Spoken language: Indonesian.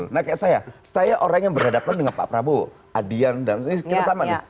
nah kayak saya saya orang yang berhadapan dengan pak prabowo adian dan ini kita sama nih